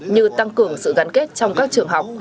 như tăng cường sự gắn kết trong các trường học